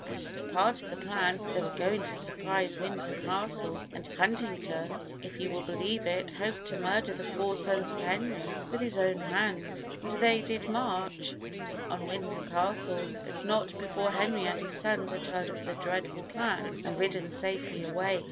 As part of the plan, they were going to surprise Windsor Castle; and Huntington, if you will believe it, hoped to murder the four sons of Henry with his own hand; and they did march on Windsor Castle, but not before Henry and his sons had heard of the dreadful plan and ridden safely away.